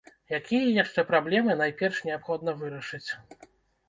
Якія яшчэ праблемы найперш неабходна вырашыць?